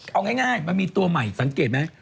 เอาง่ายมันมีตัวใสสังเกตมั้ย